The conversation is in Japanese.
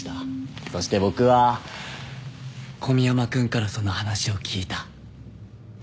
そして僕は小宮山君からその話を聞いた。